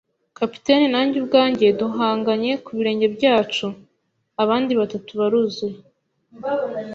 capitaine nanjye ubwanjye, duhanganye, ku birenge byacu. Abandi batatu baruzuye